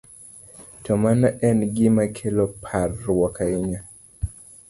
to mano en gima kelo parruok ahinya.